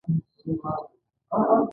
هغه پوه شو چې بايد په کار کې استقامت ولري.